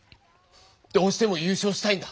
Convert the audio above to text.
どうしても優勝したいんだ！